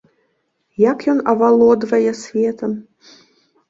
Як ён авалодвае светам?